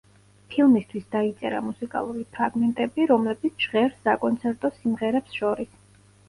ფილმისთვის დაიწერა მუსიკალური ფრაგმენტები, რომლებიც ჟღერს საკონცერტო სიმღერებს შორის.